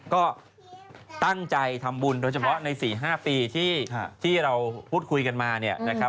ก็ตั้งใจทำบุญโดยเฉพาะใน๔๕ปีที่เราพูดคุยกันมาเนี่ยนะครับ